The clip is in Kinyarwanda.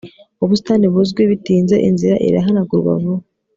Ubusitani buzwi bitinze inzira irahanagurwa vuba